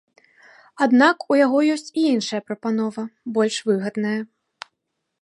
Аднак у яго ёсць і іншая прапанова, больш выгадная.